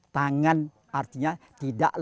tangan artinya tidaklah